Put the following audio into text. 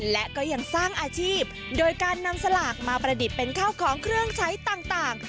และก็ยังสร้างอาชีพโดยการนำสลากมาประดิษฐ์เป็นข้าวของเครื่องใช้ต่าง